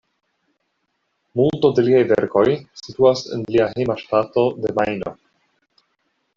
Multo da liaj verkoj situas en lia hejma ŝtato de Majno.